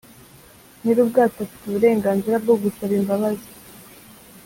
Nyir ubwato afite uburenganzira bwo gusaba imbabazi